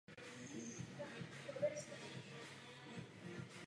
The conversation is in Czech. Levé křídlo Čchu bylo úplně zničeno.